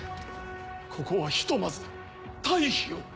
ここはひとまず退避を。